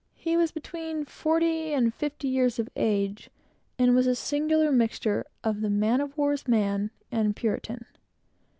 He was between forty and fifty years of age, and was a singular mixture of the man of war's man and Puritan.